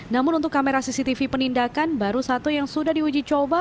namun untuk kamera cctv penindakan baru satu yang sudah diuji coba